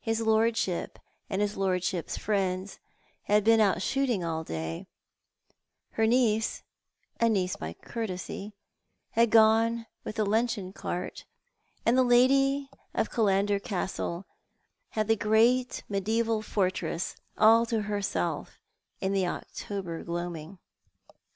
His lorclbhip and his lordship's friends had been out shooting all day ; her niece — a niece by courtesy —had gone with tlie luncheon cart, and the lady of Killauder Castle had the great mediaeval fortress all to herself in the October gloaming.